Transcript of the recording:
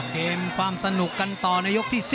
เกมความสนุกกันต่อในยกที่๔